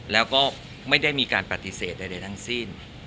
แล้วก็ไม่ได้มีการปฏิเสธใดทั้งสิ้น